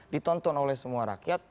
ditonton oleh semua rakyat